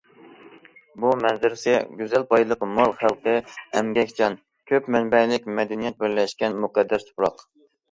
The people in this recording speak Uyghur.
بۇ مەنزىرىسى گۈزەل، بايلىقى مول، خەلقى ئەمگەكچان، كۆپ مەنبەلىك مەدەنىيەت بىرلەشكەن مۇقەددەس تۇپراق.